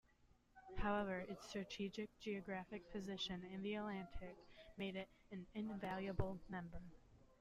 However, its strategic geographic position in the Atlantic made it an invaluable member.